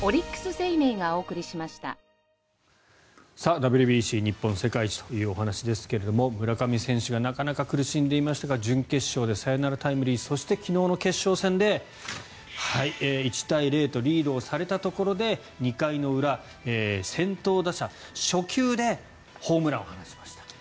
ＷＢＣ日本世界一というお話ですが村上選手がなかなか苦しんでいましたが準決勝でサヨナラタイムリーそして昨日の決勝戦で１対０とリードされたところで２回の裏、先頭打者初球でホームランを放ちました。